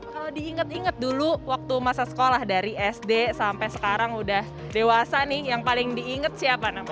kalau diinget inget dulu waktu masa sekolah dari sd sampai sekarang udah dewasa nih yang paling diinget siapa namanya